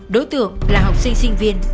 đối tượng là học sinh sinh viên